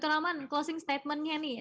dr rahman closing statement nya nih